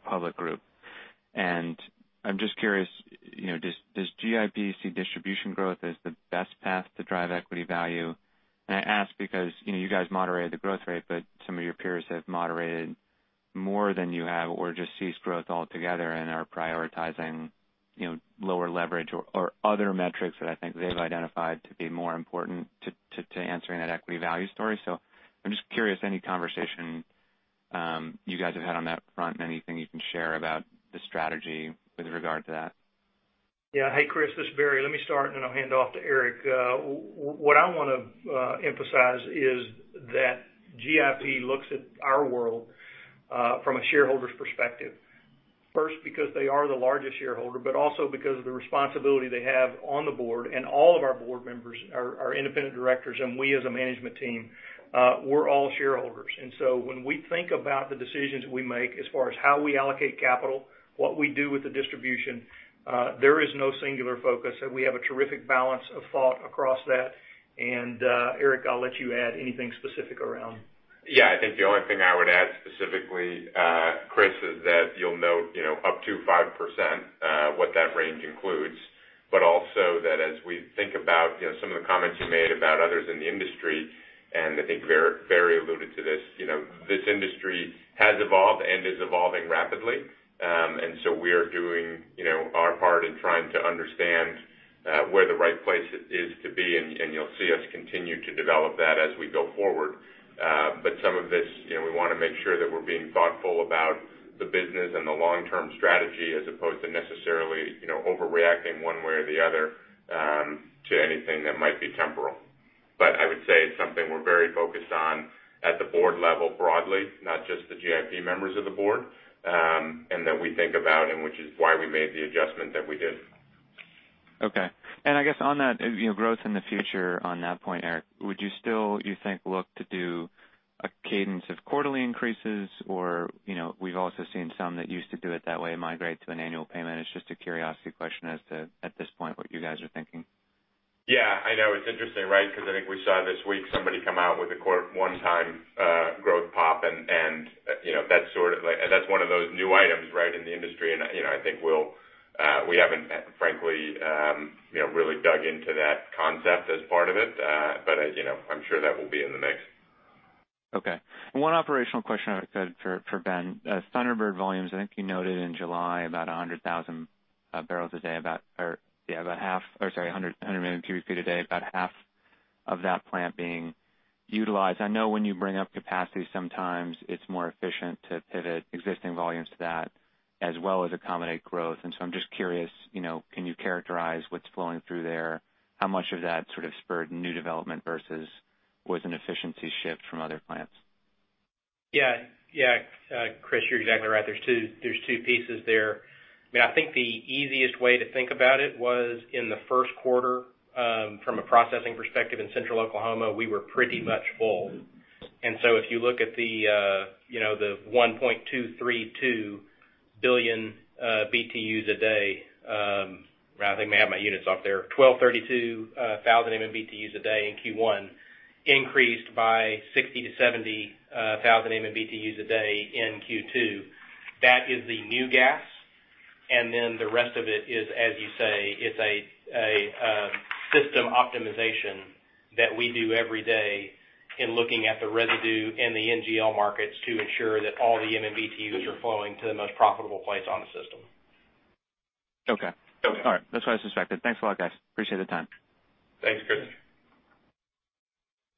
public group. I'm just curious, does GIP see distribution growth as the best path to drive equity value? I ask because, you guys moderated the growth rate, but some of your peers have moderated more than you have or just ceased growth altogether and are prioritizing lower leverage or other metrics that I think they've identified to be more important to answering that equity value story. I'm just curious, any conversation you guys have had on that front and anything you can share about the strategy with regard to that? Yeah. Hey, Chris, this is Barry. Let me start, and then I'll hand it off to Eric. What I want to emphasize is that GIP looks at our world from a shareholder's perspective. First, because they are the largest shareholder, but also because of the responsibility they have on the board. All of our board members are independent directors, and we as a management team, we're all shareholders. When we think about the decisions we make as far as how we allocate capital, what we do with the distribution, there is no singular focus. We have a terrific balance of thought across that. Eric, I'll let you add anything specific around. Yeah, I think the only thing I would add specifically, Chris, is that you'll note, up to 5%, what that range includes, but also that as we think about some of the comments you made about others in the industry, and I think Barry alluded to this. This industry has evolved and is evolving rapidly. We are doing our part in trying to understand where the right place is to be, and you'll see us continue to develop that as we go forward. Some of this, we want to make sure that we're being thoughtful about the business and the long-term strategy as opposed to necessarily overreacting one way or the other to anything that might be temporal. I would say it's something we're very focused on at the board level broadly, not just the GIP members of the board, and that we think about and which is why we made the adjustment that we did. Okay. I guess on that, growth in the future on that point, Eric, would you still, you think, look to do a cadence of quarterly increases? We've also seen some that used to do it that way migrate to an annual payment. It's just a curiosity question as to, at this point, what you guys are thinking. Yeah, I know. It's interesting, right? I think we saw this week somebody come out with a one-time growth pop and that's one of those new items, right, in the industry. I think we haven't, frankly, really dug into that concept as part of it. I'm sure that will be in the mix. Okay. One operational question I had for Ben. Thunderbird volumes, I think you noted in July, 100 million cubic feet a day, about half of that plant being utilized. I know when you bring up capacity, sometimes it's more efficient to pivot existing volumes to that as well as accommodate growth. I'm just curious, can you characterize what's flowing through there? How much of that sort of spurred new development versus was an efficiency shift from other plants? Yeah. Chris, you're exactly right. There's two pieces there. I think the easiest way to think about it was in the first quarter, from a processing perspective in Central Oklahoma, we were pretty much full. If you look at the 1.232 billion Btu a day, I think may have my units off there. 1,232,000 MMBtu a day in Q1, increased by 60,000-70,000 MMBtu a day in Q2. That is the new gas. The rest of it is, as you say, it's a system optimization that we do every day in looking at the residue and the NGL markets to ensure that all the MMBtu are flowing to the most profitable place on the system. Okay. Okay. All right. That's what I suspected. Thanks a lot, guys. Appreciate the time. Thanks, Chris.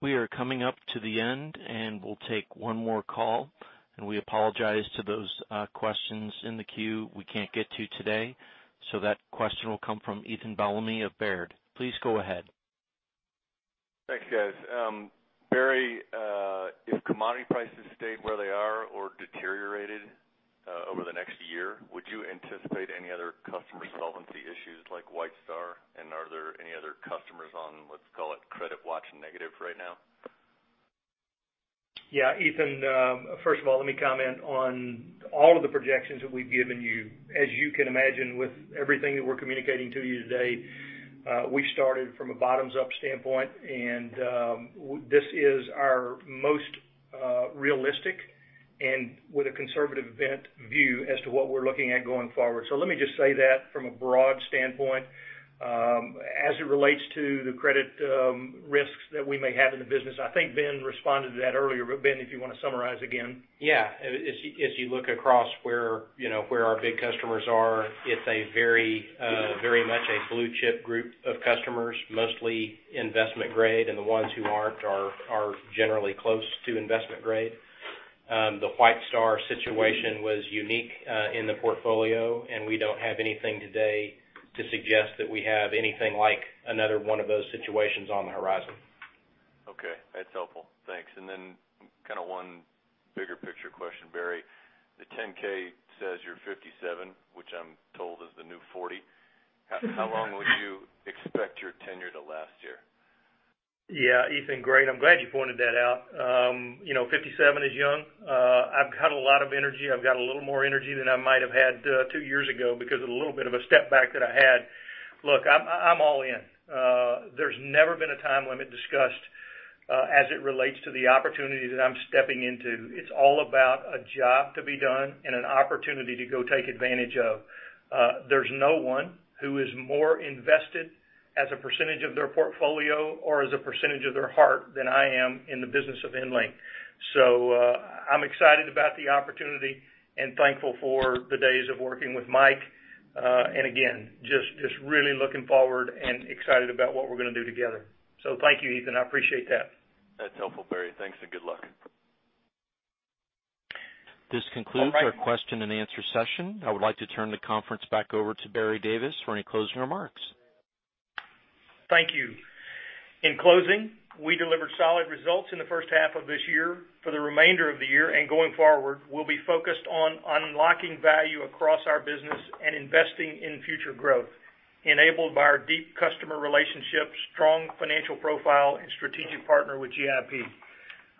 We are coming up to the end, and we'll take one more call. We apologize to those questions in the queue we can't get to today. That question will come from Ethan Bellamy of Baird. Please go ahead. Thanks, guys. Barry, if commodity prices stay where they are or deteriorated over the next year, would you anticipate any other customer solvency issues like White Star? Are there any other customers on, let's call it, credit watch negative right now? Yeah. Ethan, first of all, let me comment on all of the projections that we've given you. As you can imagine with everything that we're communicating to you today, we started from a bottoms-up standpoint, and this is our most realistic and with a conservative bent view as to what we're looking at going forward. Let me just say that from a broad standpoint. As it relates to the credit risks that we may have in the business, I think Ben responded to that earlier. Ben, if you want to summarize again. Yeah. As you look across where our big customers are, it's a very much a blue chip group of customers, mostly investment grade, and the ones who aren't are generally close to investment grade. The White Star situation was unique in the portfolio, and we don't have anything today to suggest that we have anything like another one of those situations on the horizon. Okay. That's helpful. Thanks. Then one bigger picture question, Barry. The 10-K says you're 57, which I'm told is the new 40. How long would you expect your tenure to last here? Yeah. Ethan, great. I'm glad you pointed that out. 57 is young. I've got a lot of energy. I've got a little more energy than I might have had two years ago because of a little bit of a step back that I had. Look, I'm all in. There's never been a time limit discussed as it relates to the opportunity that I'm stepping into. It's all about a job to be done and an opportunity to go take advantage of. There's no one who is more invested as a percentage of their portfolio or as a percentage of their heart than I am in the business of EnLink. I'm excited about the opportunity and thankful for the days of working with Mike. Again, just really looking forward and excited about what we're going to do together. Thank you, Ethan. I appreciate that. That's helpful, Barry. Thanks and good luck. This concludes our question and answer session. I would like to turn the conference back over to Barry Davis for any closing remarks. Thank you. In closing, we delivered solid results in the first half of this year. For the remainder of the year and going forward, we'll be focused on unlocking value across our business and investing in future growth, enabled by our deep customer relationships, strong financial profile, and strategic partner with GIP.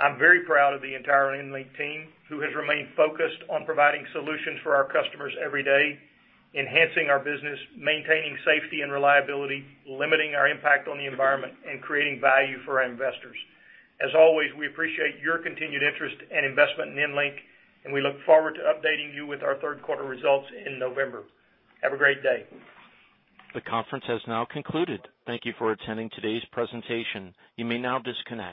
I'm very proud of the entire EnLink team, who has remained focused on providing solutions for our customers every day, enhancing our business, maintaining safety and reliability, limiting our impact on the environment, and creating value for our investors. As always, we appreciate your continued interest and investment in EnLink, and we look forward to updating you with our third quarter results in November. Have a great day. The conference has now concluded. Thank you for attending today's presentation. You may now disconnect.